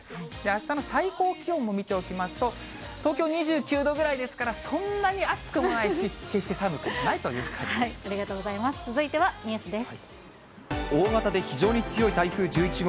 あしたの最高気温も見ておきますと、東京２９度ぐらいですから、そんなに暑くもないし、ありがとうございます。